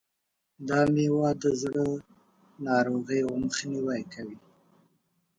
دا مېوه د زړه ناروغیو مخنیوی کوي.